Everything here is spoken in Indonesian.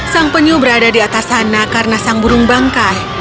sang penyu berada di atas sana karena sang burung bangkai